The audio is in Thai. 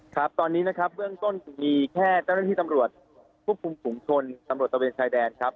ครับตอนนี้นะครับเบื้องต้นมีแค่เจ้าหน้าที่ตำรวจควบคุมฝุงชนตำรวจตะเวนชายแดนครับ